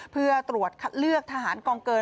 เพื่อตรวจคัดเลือกทหารกองเกิน